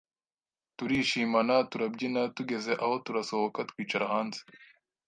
turishimana , turabyina, tugeze aho turasohoka twicara hanze